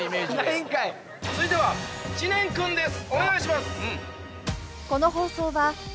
続いては知念君です。